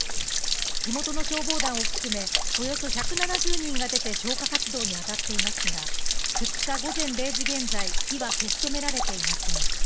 地元の消防団を含め、およそ１７０人が出て消火活動に当たっていますが、２日午前０時現在、火は消し止められていません。